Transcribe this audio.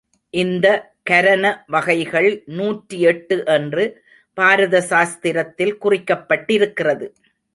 இந்த கரன வகைகள் நூற்றி எட்டு என்று, பரத சாஸ்திரத்தில் குறிக்கப்பட்டிருக்கிறது.